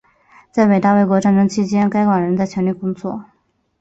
在伟大卫国战争期间该馆仍全力工作。